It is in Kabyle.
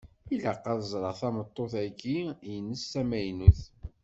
Ilaq ad ẓreɣ tameṭṭut-agi-ines tamaynut.